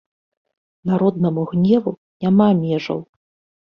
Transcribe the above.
Народнаму гневу няма межаў.